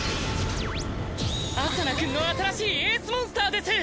アサナくんの新しいエースモンスターです！